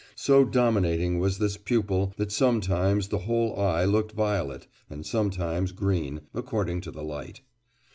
So dominating was this pupil that sometimes the whole eye looked violet, and sometimes green, according to the light.